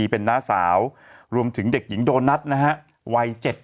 เป็นน้าสาวรวมถึงเด็กหญิงโดนัทนะฮะวัย๗๐